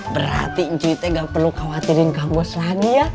berarti cuy teh gak perlu khawatirin kang bos lagi ya